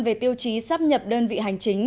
về tiêu chí sắp nhập đơn vị hành chính